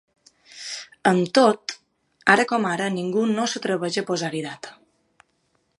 Amb tot, ara com ara ningú no s’atreveix a posar-hi data.